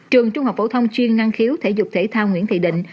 trường trung học phổ thông chuyên năng khiếu thể dục thể thao nguyễn thị định